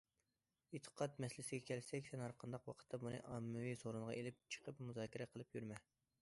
ئېتىقاد مەسىلىسىگە كەلسەك، سەن ھەرقانداق ۋاقىتتا بۇنى ئاممىۋى سورۇنغا ئېلىپ چىقىپ مۇزاكىرە قىلىپ يۈرمە.